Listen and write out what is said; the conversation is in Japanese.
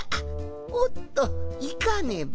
おっといかねば。